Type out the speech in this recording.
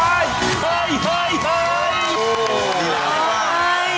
เฮ้ยเฮ้ยเฮ้ย